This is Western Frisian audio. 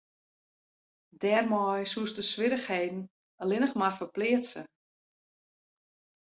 Dêrmei soest de swierrichheden allinne mar ferpleatse.